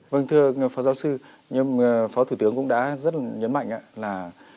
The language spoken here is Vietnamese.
vâng thưa phó giáo sư nhưng phó thủ tướng cũng đã rất nhấn mạnh là